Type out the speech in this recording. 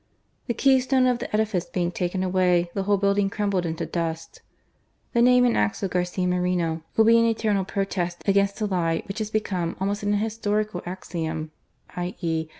The key stone of the edifice being taken away, the whole building crumbled into dust. The name and acts of Garcia Moreno will be an eternal protest against a lie which has become ■ '■>:<r3r t^ GASCIA MORENO. abnost an historical tudom, ij^.